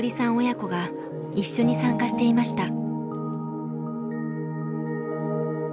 親子が一緒に参加していました。